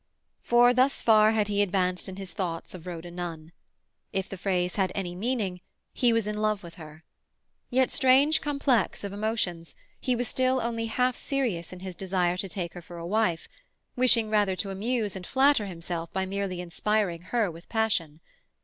For thus far had he advanced in his thoughts of Rhoda Nunn. If the phrase had any meaning, he was in love with her; yet, strange complex of emotions, he was still only half serious in his desire to take her for a wife, wishing rather to amuse and flatter himself by merely inspiring her with passion.